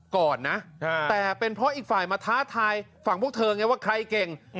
ก่อนนะแต่เป็นเพราะอีกฝ่ายมาท้าทายฝั่งพวกเธอไงว่าใครเก่ง